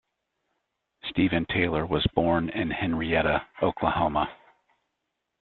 Steven Taylor was born in Henryetta, Oklahoma.